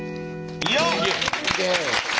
よっ！